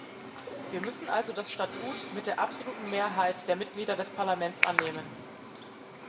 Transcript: Wir müssen also das Statut mit der absoluten Mehrheit der Mitglieder des Parlaments annehmen.